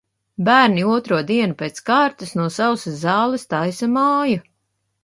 Bērni otro dienu pēc kārtas no sausas zāles taisa māju.